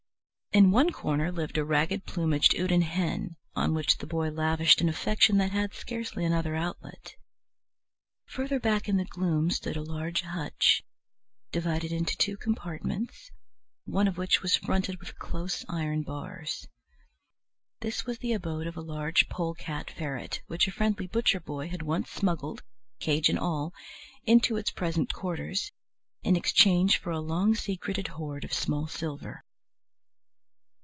In one corner lived a ragged plumaged Houdan hen, on which the boy lavished an affection that had scarcely another outlet. Further back in the gloom stood a large hutch, divided into two compartments, one of which was fronted with close iron bars. This was the abode of a large polecat ferret, which a friendly butcher boy had once smuggled, cage and all, into its present quarters, in exchange for a long secreted hoard of small silver.